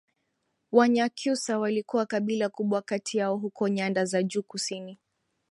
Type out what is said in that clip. Wanyakyusa walikuwa kabila kubwa kati yao huko nyanda za juu kusini